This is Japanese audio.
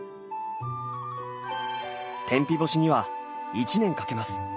天日干しには１年かけます。